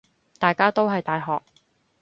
大家都係大學